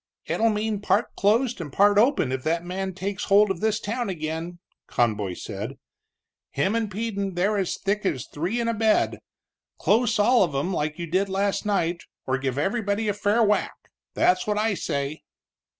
"It'll mean part closed and part open if that man takes hold of this town again," Conboy said. "Him and Peden they're as thick as three in a bed. Close all of 'em, like you did last night, or give everybody a fair whack. That's what I say."